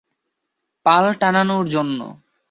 পাল টাঙানোর জন্য।